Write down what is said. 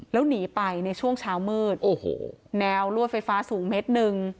แล้วหนีไปในช่วงเช้ามืดโอ้โหแนวลวดไฟฟ้าสูงเม็ดหนึ่ง